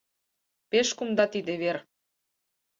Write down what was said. Пеш кумда тиде вер.